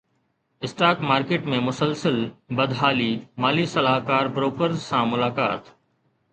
stock market ۾ مسلسل بدحالي مالي صلاحڪار بروڪرز سان ملاقات